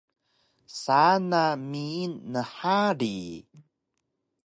Saan na miying nhari